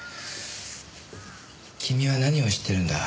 君は何を知っているんだ？